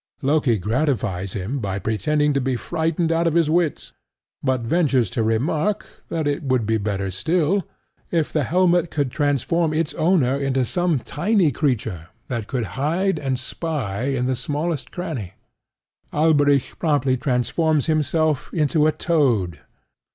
Loki gratifies him by pretending to be frightened out of his wits, but ventures to remark that it would be better still if the helmet could transform its owner into some tiny creature that could hide and spy in the smallest cranny. Alberic promptly transforms himself into a toad.